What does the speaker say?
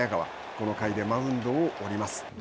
この回でマウンドを降ります。